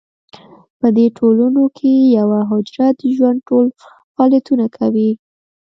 په دې ټولنو کې یوه حجره د ژوند ټول فعالیتونه کوي.